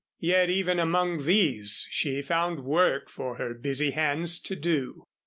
Yet even among these she found work for her busy hands to do.